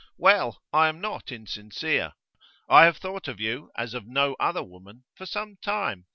Well, I am not insincere. I have thought of you as of no other woman for some time.